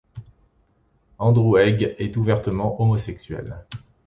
Andrew Haigh est ouvertement homosexuel.